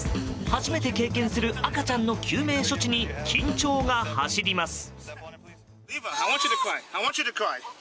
初めて経験する赤ちゃんの救命措置に緊張が走ります。